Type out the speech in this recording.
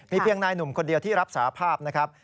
เพียงนายหนุ่มคนเดียวที่รับสาภาพนะครับ